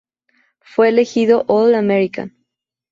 Fue elegido All-American.